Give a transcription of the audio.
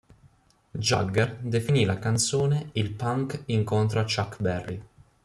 Jagger definì la canzone "il punk incontra Chuck Berry...".